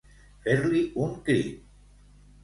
Fer-li un crit.